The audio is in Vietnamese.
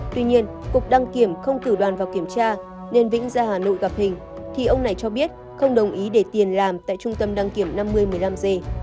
tuy nhiên cục đăng kiểm không cử đoàn vào kiểm tra nên vĩnh ra hà nội gặp hình thì ông này cho biết không đồng ý để tiền làm tại trung tâm đăng kiểm năm mươi một mươi năm g